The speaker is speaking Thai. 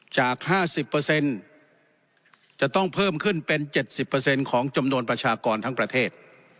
จาก๕๐เปอร์เซ็นต์จะต้องเพิ่มขึ้นเป็น๗๐เปอร์เซ็นต์ของจำนวนประชากรทั้งประเทศ